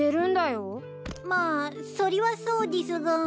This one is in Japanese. まあそりはそうでぃすが。